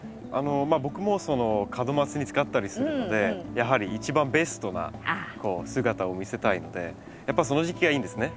僕も門松に使ったりするのでやはり一番ベストな姿を見せたいのでやっぱその時期がいいんですね。